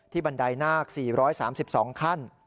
บันไดนาค๔๓๒ขั้น